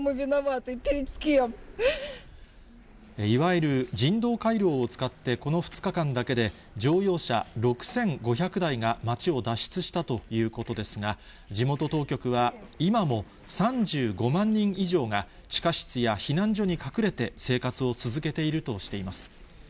いわゆる人道回廊を使って、この２日間だけで乗用車６５００台が街を脱出したということですが、地元当局は、今も３５万人以上が地下室や避難所に隠れて生活を続けているとしています。